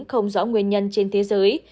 không rõ nguyên nhân trên thế giới